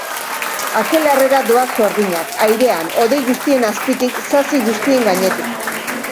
Akelarrera doaz sorginak airean hodei guztien azpitik, sasi guztien gainetik.